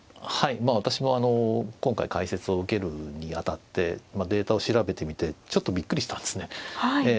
はい私も今回解説を受けるにあたってデータを調べてみてちょっとびっくりしたんですね。